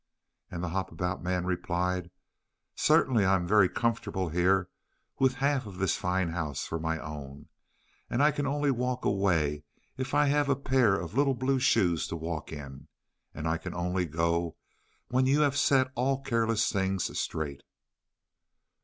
And the Hop about Man replied: "Certainly I am very comfortable here, with half of this fine house for my own, and I can only walk away if I have a pair of little blue shoes to walk in, and I can only go when you have set all careless things straight."